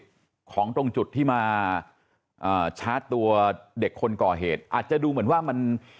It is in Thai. ของตรงจุดที่มาอ่าชาร์จตัวเด็กคนก่อเหตุอาจจะดูเหมือนว่ามัน